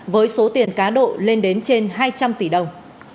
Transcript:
với số tiền cá độ lên đến trên hai trăm linh tỷ đồng